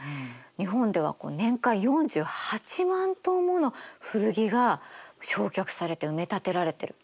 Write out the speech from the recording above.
日本では年間４８万ｔもの古着が焼却されて埋め立てられてる。